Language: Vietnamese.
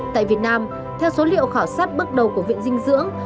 tại việt nam theo số liệu khảo sát bước đầu của viện dinh dưỡng